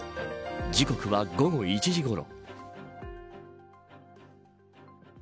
時刻は午後１時ごろ。